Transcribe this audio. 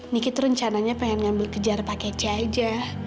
niki tuh rencananya pengen ngambil kejar paket c aja